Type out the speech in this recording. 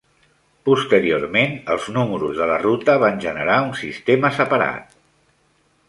Posteriorment, els números de la ruta van generar un sistema separat.